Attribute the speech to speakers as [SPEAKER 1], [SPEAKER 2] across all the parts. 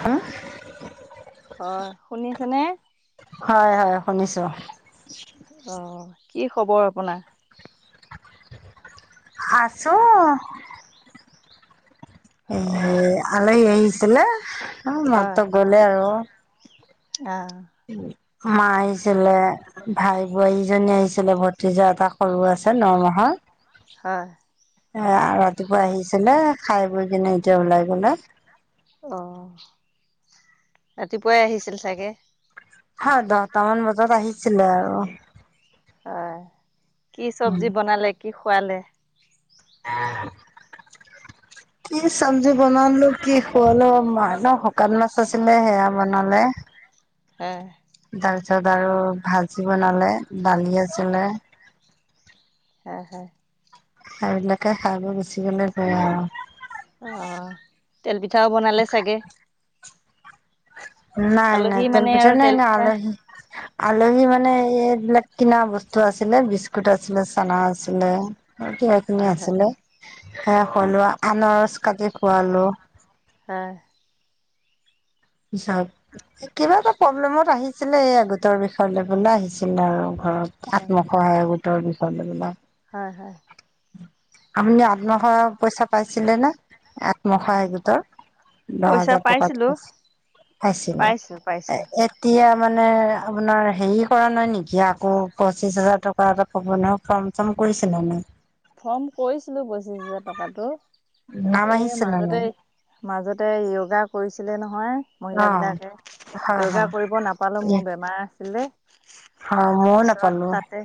[SPEAKER 1] হুউ
[SPEAKER 2] হয় শুনিছেনে
[SPEAKER 1] হয় হয় শুনিছো।
[SPEAKER 2] অ অ কি খবৰ আপোনাৰ?
[SPEAKER 1] আছো এ
[SPEAKER 2] অ
[SPEAKER 1] হেয়ি আলহী আহিছিলে এইমাত্ৰ গ'লে আৰু।
[SPEAKER 2] এআও
[SPEAKER 1] মা আহিছিলে ভাই বোৱাৰীজনী আহিছিলে ভতিজা এটা সৰু আছে ন মাহৰ
[SPEAKER 2] হয়
[SPEAKER 1] এ আ ৰাতিপুৱা আহিছিলে খাই বৈ কিনে এতিয়া ওলাই গ'লে
[SPEAKER 2] অ ৰাতিপুৱাই আহিছিল চাগে।
[SPEAKER 1] হা দহটা মান বজাত আহিছিলে আৰু।
[SPEAKER 2] হয়, কি চবজি বনালে কি খুৱালে?
[SPEAKER 1] [unintelligible] কি চবজি বনালো কি খোৱালো মা ন শোকান মাছ আছিলে সেয়া বনালে।
[SPEAKER 2] এ
[SPEAKER 1] তাপিছত আৰু ভাজি বনালে, দালি আছিলে।
[SPEAKER 2] হয় হয়।
[SPEAKER 1] সেনেকে খাই বৈ গুচি গলে গে আৰু
[SPEAKER 2] অ অ তেলপিঠাও বনালে চাগে
[SPEAKER 1] নাই নাই
[SPEAKER 2] আলহী মানে
[SPEAKER 1] তেলপিঠা
[SPEAKER 2] আৰু
[SPEAKER 1] নাই
[SPEAKER 2] তেল
[SPEAKER 1] নাই
[SPEAKER 2] পিঠা
[SPEAKER 1] আলহি আলহী মানে এই এইবিলাক কিনা বস্তু আছিলে বিস্কুট আছিলে, চানা আছিলে সেয়া এখিনি
[SPEAKER 2] হয় হয়
[SPEAKER 1] আছিলে সে হলো আনৰস কাটি খোৱালো
[SPEAKER 2] হয়
[SPEAKER 1] পিছত এ কিবা এটা প্ৰব্লেমত আহিছিলে এই গোটৰ বিষয়লৈ পেলায় আহিছিলে আৰু ঘৰত
[SPEAKER 2] হয়
[SPEAKER 1] আত্মসহায় গোটৰ বিষয় লৈ পেলায়।
[SPEAKER 2] হয় হয়
[SPEAKER 1] আপুনি আত্মসহায়ক পইচা পাইছিলে নে আত্মসহায়ক গোটৰ দহ হাজাৰ টকাতো পাইছিলো পাইছিলে
[SPEAKER 2] পাইছো
[SPEAKER 1] এ
[SPEAKER 2] পাইছো
[SPEAKER 1] এ তিয়া মানে আপোনাৰ হেৰি কৰা নাই নেকি আকৌ পঁচিছ হাজাৰ টকা এটা পাব ন ফৰ্ম চম কৰিছিলে নাই
[SPEAKER 2] ফৰ্ম কৰিছিলো পঁচিশ হেজাৰ টকাটো
[SPEAKER 1] নাম
[SPEAKER 2] এ
[SPEAKER 1] আহিছে নে নাই?
[SPEAKER 2] মাজতে মাজতে য়োগা কৰিছিলে নহয়
[SPEAKER 1] অ',
[SPEAKER 2] মহিলাবিলাকে
[SPEAKER 1] হয় হয়
[SPEAKER 2] য়োগা কৰিব নাপালো মোৰ বেমাৰ আছিলে
[SPEAKER 1] অ মইয়ো
[SPEAKER 2] পিছত
[SPEAKER 1] নাপালো
[SPEAKER 2] তাতে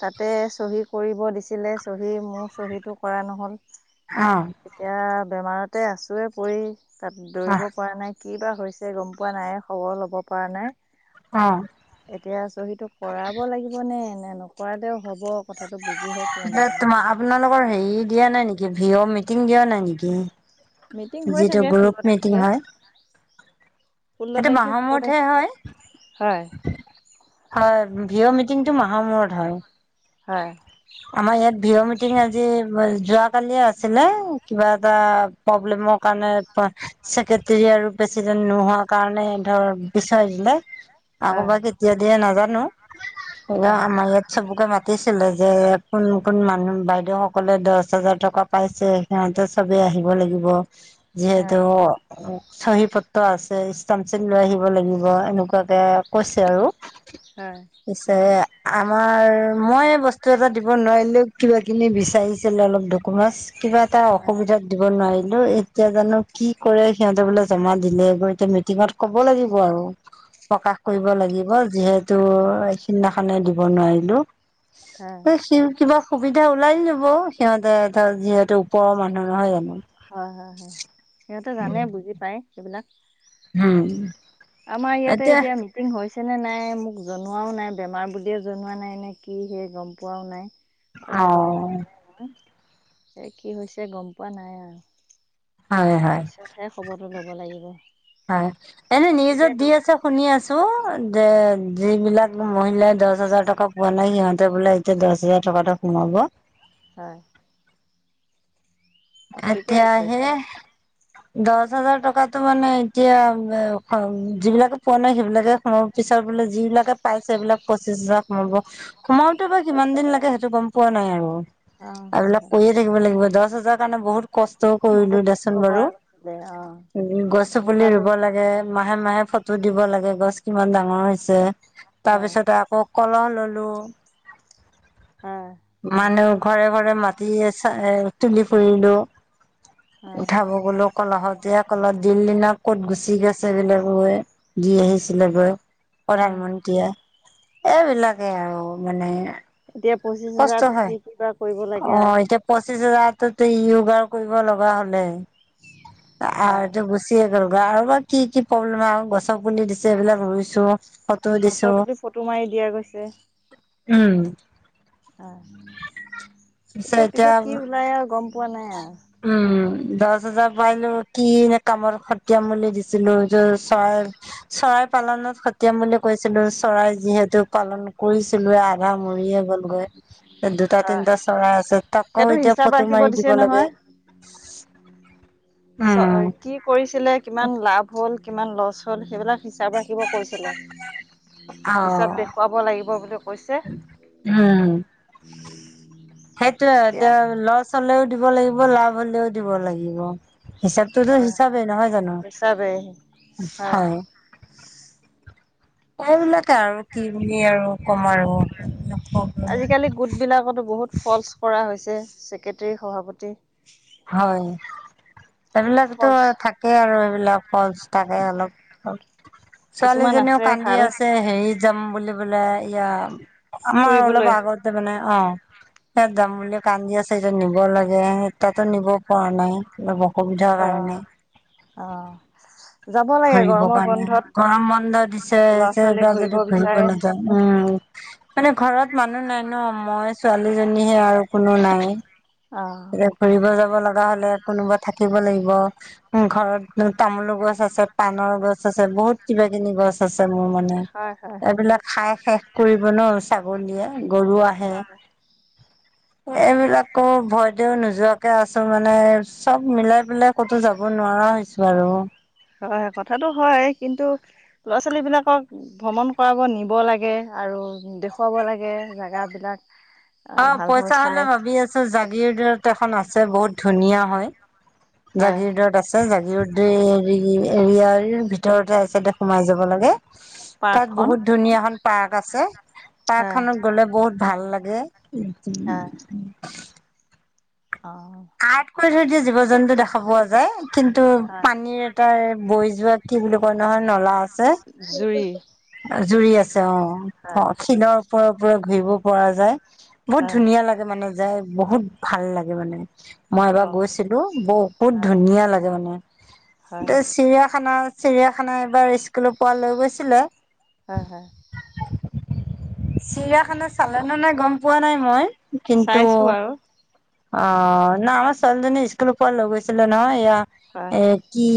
[SPEAKER 2] তাতে চহী কৰিব দিছিলে চহী মোৰ চহীটো কৰা নহ'ল
[SPEAKER 1] অ
[SPEAKER 2] এতিয়া বেমাৰতে আছোৱে পৰি, তাত দৌৰিব
[SPEAKER 1] অ',
[SPEAKER 2] পৰা নাই। কি বা হৈছে গম পোৱা নাই খবৰ ল'ব পৰা নাই।
[SPEAKER 1] অঁ।
[SPEAKER 2] এতিয়া চহীটো কৰাব লাগিব নে নে নকৰালেও হ'ব কথাটো বুজিহে পোৱা নাই মই।
[SPEAKER 1] তোমা আপোনালোকৰ হেৰি দিয়া নাই নেকি ভিঅ' মিটিং দিয়া নাই নেকি?
[SPEAKER 2] মিটিং হৈ
[SPEAKER 1] যিটো
[SPEAKER 2] থাকে ষোল্ল
[SPEAKER 1] গ্ৰুপ মিটিং
[SPEAKER 2] তাৰিখে
[SPEAKER 1] হয়,
[SPEAKER 2] ষোল্ল
[SPEAKER 1] সেইটো
[SPEAKER 2] তাৰিখে
[SPEAKER 1] মাহৰ
[SPEAKER 2] ষোল্ল
[SPEAKER 1] মূৰতহে
[SPEAKER 2] তাৰিখে
[SPEAKER 1] হয়।
[SPEAKER 2] হয়।
[SPEAKER 1] হয় ভিঅ' মিটিংটো মাহৰ মূৰত হয়।
[SPEAKER 2] হয়।
[SPEAKER 1] আমাৰ ইয়াত ভিঅ' মিটিং আজি, যোৱা কালিয়ে আছিলে কিবা এটা প্ৰব্লেমৰ কাৰণে পা ছেক্ৰেটৰী আৰু প্ৰেচিডেন্ট নোহোৱাৰ কাৰণে ধৰ পিছোৱাই দিলে। আকৌ
[SPEAKER 2] হয়
[SPEAKER 1] বা কেতিয়া দিয়ে নাজানো। স
[SPEAKER 2] হয়
[SPEAKER 1] আমাৰ ইয়াত চবকে মাতিছিলে যে কোন কোন মানুহ বাইদেউ সকলে দছ হাজাৰ টকা পাইছে সিহঁতে সবে আহিব লাগিব। যিহেতু চহী পত্ৰ আছে ষ্টাম ছীল লৈ আহিব লাগিব, এনেকুৱাকে কৈছে আৰু।
[SPEAKER 2] হয়।
[SPEAKER 1] যে আমাৰ মই বস্তু এটাত দিব নোৱাৰিলেও কিবা কিনি বিচাৰিছিল
[SPEAKER 2] হয়
[SPEAKER 1] অলপ ডকমেন্টচ, কিবা এটা
[SPEAKER 2] হয়
[SPEAKER 1] অসুবিধাত দিব নোৱাৰিলো, এতিয়া জানো কি কৰে সিহঁতে বোলে জমা দিলে গৈ এতিয়া মিটিঙত ক'ব লাগিব আৰু, প্ৰকাশ কৰিব লাগি ব যিহেতু এই সিদিনাখনে দিব নোৱাৰিলো।
[SPEAKER 2] হয়।
[SPEAKER 1] ছিল কিবা সুবিধা ওলাই যাব, সিহঁতে ধৰ যিহেতু ওপৰৰ মানুহ নহয় জানো?
[SPEAKER 2] হয় হয় হয় সিহঁতে জানে বুজি পায় এইবিলাক।
[SPEAKER 1] হম।
[SPEAKER 2] আমাৰ ইয়াতে এতিয়া মি হৈছে নে নাই মোক জনোৱাও নাই, বেমাৰ বুলিয়ে জনোৱা নাই নেকি সেই গম পোৱাও নাই।
[SPEAKER 1] অ
[SPEAKER 2] খবৰ ল'ব পৰা নাই মই, এ কি হৈছে গম পোৱা নাই আৰু।
[SPEAKER 1] হয় হয়।
[SPEAKER 2] হে খবৰটো ল'ব লাগিব।
[SPEAKER 1] পায় এনেই নিউজত
[SPEAKER 2] এতিয়াতো
[SPEAKER 1] দি আছে শুনি আছো, যে যিবিলাক মহিলাই দছ হাজাৰ টকা পোৱা নাই সিহঁতে বোলে তিয়া দছ হাজাৰ টকাতো সোমাব।
[SPEAKER 2] হয়। ঠিকে
[SPEAKER 1] এতিয়া
[SPEAKER 2] আছে
[SPEAKER 1] হে
[SPEAKER 2] দিয়ক
[SPEAKER 1] দছ হাজাৰ টকাতো মানে এতিয়া, যিবিলাকে পোৱা নাই সেইবিলাকে সম পিছত বোলে যিবিলাকে পাইছে সেইবিলাক পঁচিছ হাজাৰ সোমাব। সোমাওতে বা কিমান দিন লাগে সেইটো গম পোৱা নাই আৰু।
[SPEAKER 2] অ হয়
[SPEAKER 1] এইবিলাক
[SPEAKER 2] হয়
[SPEAKER 1] কৰিয়ে থাকিব লাগিব, দছ হাজাৰ কাৰণে বহুত কষ্টও কৰিলো
[SPEAKER 2] বহুত কষ্ট
[SPEAKER 1] দেচোন বাৰু,
[SPEAKER 2] কৰা গৈছিলে অ
[SPEAKER 1] উ গছো পুলি
[SPEAKER 2] দৰকাৰটো
[SPEAKER 1] ৰুব লাগে মাহে মাহে ফটো দিব লাগে গছ কিমান ডাঙৰ হৈছে,
[SPEAKER 2] হয়
[SPEAKER 1] তাৰপিছতে আকৌ কলহ ললো
[SPEAKER 2] হয়
[SPEAKER 1] মানুহ ঘৰে ঘৰে মাটি এ চাই তুলি ফুৰিলো,
[SPEAKER 2] হয়
[SPEAKER 1] উঠাব গলো। কলহতে কলত দিল্লী নে ক'ত গুচি গৈছে বোলে বৌয়ে দি আহিছিলে গৈ।
[SPEAKER 2] হয়
[SPEAKER 1] প্ৰধানমন্ত্ৰীয়ে, এইবিলাকে আৰু মানে।
[SPEAKER 2] এতিয়া পঁচিশ হাজাৰতো কি কিবা কৰিব লাগে আৰু।
[SPEAKER 1] পঁচিশ হেজাৰটোত য়োগাও কৰিব লগা হলে
[SPEAKER 2] হয়
[SPEAKER 1] আৰু গুছি গুছিয়ে গলগৈ আৰু বা কি কি প্ৰব্লেম আৰু গছ পুলি দিছে এইবিলাক ৰুইছো। ফটো দিছো
[SPEAKER 2] গছৰ পুলি ফটো মাৰি দিয়া গৈছে।
[SPEAKER 1] উম
[SPEAKER 2] আ এতিয়া পিছত কি ওলায় আৰু গম পোৱা নাই আৰু।
[SPEAKER 1] উম দছ হেজাৰ পাইনো কি হে কামত খতিয়াম বুলি দিছিলো যে চৰ চৰাই পালনত খতিয়াম বুলি কৈছিলো চৰাই যিহেতু- পালন কৰিছিলোয়ে আধা মৰিয়ে গ'ল। গৈ দুটা
[SPEAKER 2] হয়
[SPEAKER 1] তিনটা চৰাই আছে তাকো
[SPEAKER 2] সেইটো
[SPEAKER 1] এতিয়া
[SPEAKER 2] হিচাপ
[SPEAKER 1] ফটো
[SPEAKER 2] ৰাখিব
[SPEAKER 1] মাৰি
[SPEAKER 2] দিছে
[SPEAKER 1] দিব
[SPEAKER 2] নহয়
[SPEAKER 1] লাগে।
[SPEAKER 2] চ
[SPEAKER 1] উম
[SPEAKER 2] কি কৰিছিলে কিমান লাভ হ'ল কিমান লছ হ'ল সেইবিলাক হিচাপ ৰাখ ৰাখিব কৈছিলে।
[SPEAKER 1] অ
[SPEAKER 2] হিচাপ দেখুৱাব লাগিব বুলি কৈছে। [unintelligible]
[SPEAKER 1] সেইটোৱে এতিয়া লছ হ'লেও দিব লাগিব লাভ হলেও দিব লাগিব। হিচাপটোতো
[SPEAKER 2] হয়
[SPEAKER 1] হিচাপেই নহয় জানো
[SPEAKER 2] হিচাপে
[SPEAKER 1] হয়। এইবিলাকে আৰু কি বুলি আৰু ক'ম আৰু।
[SPEAKER 2] আজিকালি গোট বিলাকতো বহুত ফলচ কৰা হৈছে চক্ৰেটাৰী সভাপতি।
[SPEAKER 1] হয় সেই বিলাকতো
[SPEAKER 2] ফলচ
[SPEAKER 1] থাক তাকে আৰু এইবিলাক ফলছ্ থাকে অলপ।
[SPEAKER 2] কিছুমান
[SPEAKER 1] ছোৱালীজনীও
[SPEAKER 2] আছে
[SPEAKER 1] কান্দি
[SPEAKER 2] ভাল
[SPEAKER 1] আছে। হেৰি যাম বুলি বোলে ইয়া আমাৰ অলপ
[SPEAKER 2] ফুৰিবলৈ
[SPEAKER 1] আগত- তে মানে অ, সেইয়াত যাম বুলি কান্দি আছে এতিয়া নিব লাগে। তাতে নিব পৰা নাই অলপ অসুবিধাৰ কাৰণে।
[SPEAKER 2] অঁহ
[SPEAKER 1] ঘুৰিব কাৰণে, গৰম বন্ধ দিছে
[SPEAKER 2] ল'ৰা ছোৱালী
[SPEAKER 1] এইবাৰ যদি ঘূৰিব
[SPEAKER 2] বিচাৰে
[SPEAKER 1] নাযাৱ- আমাৰো মানে ঘৰত মানুহ নাই ন মই ছোৱালীজনীয়েহে আৰু কোনো নাইয়ে।
[SPEAKER 2] অ
[SPEAKER 1] ঘুৰিব যাব লগা হলে কোনোবা থাকিব লাগিব উম। ঘৰতনো তামোলৰ গছ আছে পানৰ গছ আছে বহুত কিবা কিবি গছ- আছে মোৰ মানে,
[SPEAKER 2] হয় হয়
[SPEAKER 1] এইবিলাক খাই শেষ কৰিব ন ছাগলীয়ে গৰু আহ হে
[SPEAKER 2] হয়
[SPEAKER 1] এইবিলাকৰ ভয়তে নোযোৱাকে আছো মানে চব মিলাই পেলাই ক'তো যাব, নোৱাৰা হৈছো আৰু।
[SPEAKER 2] হয় কথাটো হয় কিন্তু ল'ৰা ছোৱালী বিলাকক- ভ্ৰমণ কৰাব নিব লাগে আৰু দেখুৱাব লাগে জাগাবিলাক-
[SPEAKER 1] অ পইচা হ'লে ভাবি আছো জাগীৰোডত এখন আছে বহুত ধুনীয়া হয়।
[SPEAKER 2] হয়
[SPEAKER 1] জাগীৰোডত আছে জাগীৰোডেদে এৰিয়াৰ ভিতৰৰ চাইডে সোমাই যাব লাগে। তাত
[SPEAKER 2] পাৰ্কখন
[SPEAKER 1] বহুত ধুনীয়া এখন পাৰ্ক আছে,
[SPEAKER 2] হয়
[SPEAKER 1] পাৰ্কখনত গ'লে বহুত ভাল লাগে।
[SPEAKER 2] হয়
[SPEAKER 1] [unintelligible]
[SPEAKER 2] অ
[SPEAKER 1] আৰ্ট কৰি থৈ দিয়ে জীৱ জন্তু দেখা পোৱা যায় কিন্তু
[SPEAKER 2] হয়
[SPEAKER 1] পানীৰ তাৰ বৈ যোৱাত কি বুলি কয় নহয় নলা
[SPEAKER 2] জুৰি
[SPEAKER 1] আছে। জুৰি আছে অ অ
[SPEAKER 2] হয়
[SPEAKER 1] শিলৰ ওপৰে ওপৰে ঘূৰিব পৰা যায়। বহুত
[SPEAKER 2] হয়
[SPEAKER 1] ধুনীয়া লাগে মানে যায়, বহুত ভাল লাগে মানে। মই
[SPEAKER 2] অ
[SPEAKER 1] এবাৰ গৈছিলো বহুত
[SPEAKER 2] হয়
[SPEAKER 1] ধুনীয়া লাগে মানে,
[SPEAKER 2] হয়
[SPEAKER 1] এতিয়া চিৰিয়াখানা চিৰিয়াখানা এবাৰ স্কুলৰ পৰা লৈ গৈছিলে।
[SPEAKER 2] হয় হয়।
[SPEAKER 1] চিৰিয়াখানা চালে নে নাই গম পোৱা নাই মই, কিন্তু
[SPEAKER 2] চাইছো বাৰু
[SPEAKER 1] অহ না আমাৰ ছোৱালীজনী স্কুলৰ পৰা লৈ গৈছিলে নহয়,
[SPEAKER 2] হয়
[SPEAKER 1] এইয়া এ কি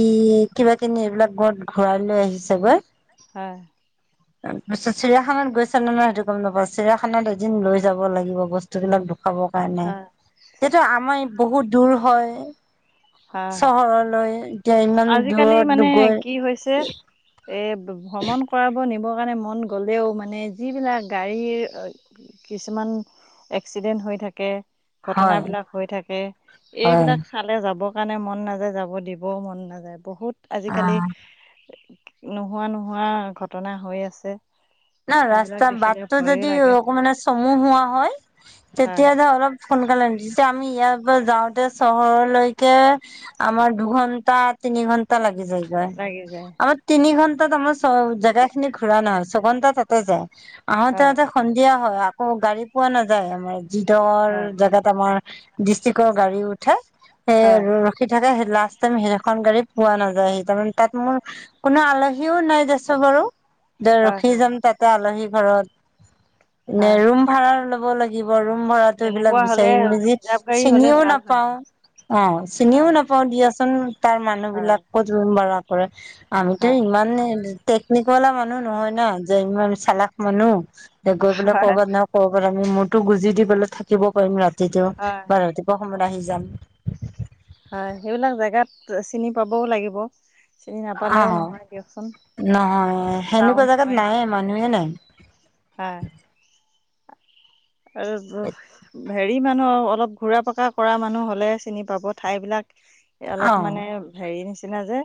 [SPEAKER 1] কিবা কিনি এইবিলাক কত ঘূৰাই লৈ আহিছে গৈ।
[SPEAKER 2] হয়।
[SPEAKER 1] [unintelligible] তাৰ পিছত চিৰিয়াখানাত গৈছে নে নাই সেইটো গম নাপাওঁ, চিৰিয়াখানাত এদিন লৈ যাব লাগিব বস্তুবিলাক দেখাব কাৰণে,
[SPEAKER 2] হয়।
[SPEAKER 1] যিহেতু আমাৰ বহুত দূৰ হয়
[SPEAKER 2] হয়।
[SPEAKER 1] চহৰৰলৈ, এতিয়া ইমান
[SPEAKER 2] আজিকালি
[SPEAKER 1] দূৰত গৈ
[SPEAKER 2] এই ভ্ৰমণ কৰাব নিবৰ কাৰণে মন গ'লেও মানে যিবিলাক গাড়ীৰ কিছুমান এক্সিডেণ্ট হৈ থাকে। ঘটনা
[SPEAKER 1] হয়
[SPEAKER 2] বিলাক হৈ থাকে,
[SPEAKER 1] হয়
[SPEAKER 2] এইবিলাক চালে যাবৰ কাৰণে মন নাযায়, যাব দিবও মন নাযায় নাযায় বহুত
[SPEAKER 1] অ
[SPEAKER 2] আজিকালি নোহোৱা নোহোৱা ঘটনা হৈ আছে।
[SPEAKER 1] না
[SPEAKER 2] সেইবিলাক
[SPEAKER 1] ৰাস্তা
[SPEAKER 2] দেখিলে
[SPEAKER 1] বাটটো
[SPEAKER 2] ভয়ো
[SPEAKER 1] যদি
[SPEAKER 2] লাগে।
[SPEAKER 1] অকমানে চমু হোৱা হয়,
[SPEAKER 2] হয়,
[SPEAKER 1] তেতিয়া ধৰ সোনকালে নিছে যেতিয়া আমি ইয়াৰ পৰা যাওঁতে চহৰৰলৈকে আমাৰ দুঘণ্টা তিনি ঘণ্টা লাগি যায়। হয়
[SPEAKER 2] লাগি যায়।
[SPEAKER 1] আমাৰ তিনি ঘন্টাত আমাৰ চ জেগা খিনি ঘুৰা নহয়, ছঘন্টা তাতে যায়। আহোতে
[SPEAKER 2] হয়,
[SPEAKER 1] আহোতে সন্ধিয়া হয় আকৌ গাড়ী পোৱা নাযায় আমাৰ যিদখৰ
[SPEAKER 2] হয়,
[SPEAKER 1] জেগাত আমাৰ ডিষ্ট্ৰিকৰ গাড়ী উঠে
[SPEAKER 2] হয়।
[SPEAKER 1] উঠি থাকে, সেই লাষ্ট টাইম সেইখন গাড়ী পোৱা নাযায় সেইকাৰণে তাত মোৰ কোনো আলহীও নাই দেচো বাৰু। দে
[SPEAKER 2] হয়,
[SPEAKER 1] ৰখি
[SPEAKER 2] হয়,
[SPEAKER 1] যাম তাতে আলহী ঘৰত নে
[SPEAKER 2] হয়।
[SPEAKER 1] ৰুম ভাড়া ল'বলৈ থাকিবৰো ৰুম ভাড়াটো এইবিলাক
[SPEAKER 2] তেনেকুৱা হ'লে
[SPEAKER 1] বিচাৰি নাপাওঁ যে
[SPEAKER 2] ৰিজাৰ্ভ গাড়ী হ'লে
[SPEAKER 1] চিনিও
[SPEAKER 2] ভাল হয়।
[SPEAKER 1] নাপাও অ চিনিও
[SPEAKER 2] হয়
[SPEAKER 1] না নাপাও দিয়াচোন তাৰ
[SPEAKER 2] হয়
[SPEAKER 1] মানুহবিলাক ক'ত ৰুম ভাড়া কৰে, আমিতো
[SPEAKER 2] হয়
[SPEAKER 1] ইমান এই টেকনিকৱালা মানুহ নহয় ন, যে ইমান চালাস মানুহ যে গৈ পেলাই
[SPEAKER 2] হয়
[SPEAKER 1] কৰ'বাত নহয় কৰ'বাত আমি মূৰতো গুজি দি পেলায় থাকিব পাৰিম ৰাতিটো
[SPEAKER 2] হয়
[SPEAKER 1] বা ৰাতিপুৱা সময়ত আহি যাম।
[SPEAKER 2] হয়, সেইবিলাক জেগাত চিনি পাবও লাগিব। চিনি
[SPEAKER 1] অ
[SPEAKER 2] নাপালেও নহয় দিয়কচোন
[SPEAKER 1] নহয় সেনেকুৱা
[SPEAKER 2] টাউন
[SPEAKER 1] জাগাত
[SPEAKER 2] হয়
[SPEAKER 1] নাই মানুহে নাই।
[SPEAKER 2] হয়। এইবোৰ হেৰি মানুহ অলপ ঘূৰা পকা কৰা মানুহ হ'লে চিনি পাব ঠাইবিলাক এই অলপ
[SPEAKER 1] অ
[SPEAKER 2] মানে হেৰি নিচিনা যে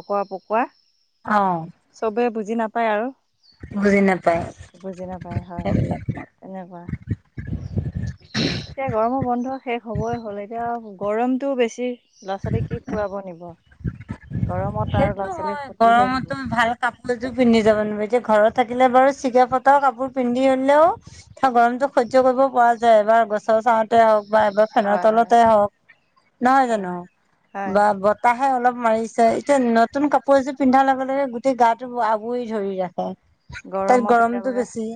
[SPEAKER 2] অকুৱা - পকুৱা।
[SPEAKER 1] অ
[SPEAKER 2] চবে বুজি নাপায় আৰু।
[SPEAKER 1] বুজি নাপায়
[SPEAKER 2] বুজি নাপায় হয়
[SPEAKER 1] সেইবিলাক
[SPEAKER 2] তেনেকুৱা। এতিয়া গৰমৰ বন্ধ শেষ হবই হ'ল, এতিয়া গৰমটো বেছি ল'ৰা ছোৱালী কি ফুৰাব নিব। গৰমত আৰু ল'ৰা
[SPEAKER 1] সেইটো
[SPEAKER 2] ছোৱালীৰ
[SPEAKER 1] হয়
[SPEAKER 2] ক্ষতিহে হ'ব
[SPEAKER 1] গৰমতো ভাল কাপোৰ এযোৰ পিন্ধি যাব নোৱাৰি, এতিয়া ঘৰত থাকিলে বাৰু চিগা ফটা কাপোৰ পিন্ধি হলেও গৰমতো সহ্য কৰিব পৰা যায়, বা গছৰ চাঁহত তে হওঁক বা এবাৰ ফেনৰ
[SPEAKER 2] হয় হয়
[SPEAKER 1] তলতে হওঁক নহয়
[SPEAKER 2] হয়
[SPEAKER 1] জানো,
[SPEAKER 2] হয়
[SPEAKER 1] ব তাহে অলপ মাৰিছে সেই নতুন কাপোৰ এযোৰ পিন্ধাৰ লগে লগে গোটেই গাটো আৱৰি ধৰি ৰাখে। তাইৰ গৰমটো বেছি।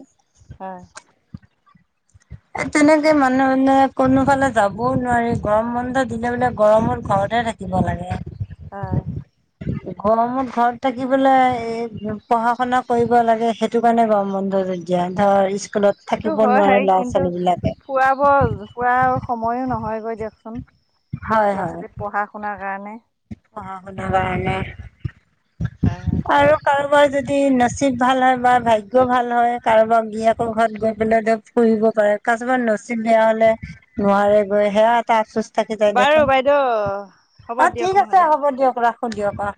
[SPEAKER 2] আ'।
[SPEAKER 1] এত তেনেকে মানুহে কোনোফালে যাবওঁ নোৱাৰি, গৰম বন্ধ দিলে বোলে গৰমত ঘৰতে থা কিব লাগে।
[SPEAKER 2] আ।
[SPEAKER 1] গৰমত ঘৰত থাকি পেলাই পঢ়া শুনা কৰিব লাগে, সে টো কাৰণে গৰম বন্ধ দিয়া, ধৰ স্কুলত
[SPEAKER 2] সেইটো
[SPEAKER 1] থাকিব
[SPEAKER 2] হয়
[SPEAKER 1] নোৱাৰে।
[SPEAKER 2] হেৰি
[SPEAKER 1] ল'ৰা
[SPEAKER 2] কিন্তু
[SPEAKER 1] ছোৱালী বিলাকে
[SPEAKER 2] ফুৰাব ফুৰা সময়ো নহয়গৈ দিয়কচোন?
[SPEAKER 1] হয়'
[SPEAKER 2] ল'ৰা
[SPEAKER 1] হয়
[SPEAKER 2] ছোৱালী পঢ়া শুনাৰ কাৰণে
[SPEAKER 1] পঢ়া শুনাৰ কাৰণে
[SPEAKER 2] হয় হয়
[SPEAKER 1] আৰু কাৰোবাৰ যদি নচিব ভাল হয় বা ভাগ্যও ভাল হয়, কাৰোবাৰ গিৰিয়েকৰ ঘৰত গৈ পেলাই তেওঁ ফুৰিব পাৰে, কাছবা নচিব বেয়া হ'লে নোৱাৰে গৈ, সেয়া এটা আফচোচ থাকি যাই
[SPEAKER 2] বাৰু
[SPEAKER 1] দেখোন,
[SPEAKER 2] বাইদেউ হ'ব
[SPEAKER 1] অ'
[SPEAKER 2] দিয়ক
[SPEAKER 1] ঠিক আছে
[SPEAKER 2] নহ'লে
[SPEAKER 1] হ'ব দিয়ক ৰাখো দিয়ক আহ।